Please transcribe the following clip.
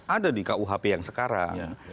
ada di kuhp yang sekarang